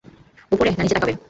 উপরে না নিচে তাকাবে?